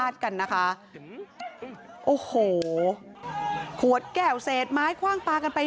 นะคะโอ้โหขวดแก้วเศสไม้ฟั้งปากันไป